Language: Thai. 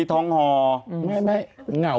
ฮองฮอร์หงาว